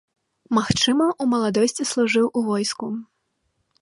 Магчыма, у маладосці служыў у войску.